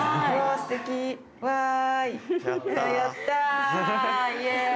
やった。